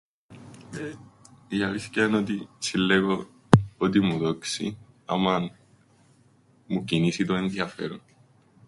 Η αλήθκεια εν' ότι συλλέγω ό,τι μου δόξει, άμαν μου κινήσει το ενδιαφέρον.